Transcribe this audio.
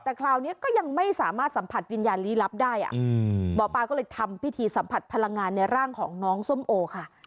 แต่คราวนี้ก็ยังไม่สามารถสัมผัสวิญญาณลี้ลับได้หมอปลาก็เลยทำพิธีสัมผัสพลังงานในร่างของน้องส้มโอค่ะ